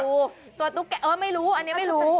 ตัวตุ๊กแกเออไม่รู้อันนี้ไม่รู้